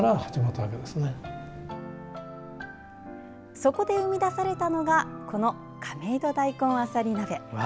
そこで生み出されたのがこの亀戸だいこんあさり鍋。